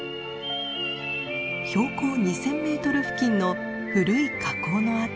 標高２，０００メートル付近の古い火口の跡。